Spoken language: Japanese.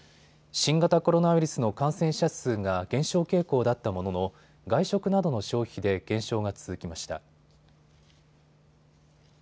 新型コロナウイルスの感染者数が減少傾向だったものの外食などの消費で減少が続きました。